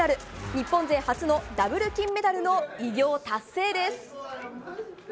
日本勢初のダブル金メダルの偉業達成です。